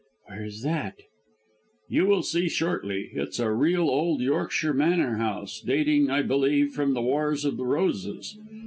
"Where is that?" "You will see shortly. It's a real old Yorkshire Manor House, dating, I believe, from the Wars of the Roses.